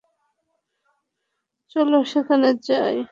চলো সেখানে যাই!